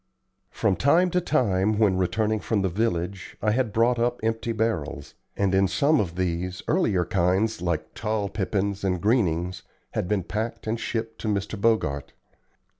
From time to time when returning from the village I had brought up empty barrels; and in some of these, earlier kinds, like tall pippins and greenings, had been packed and shipped to Mr. Bogart.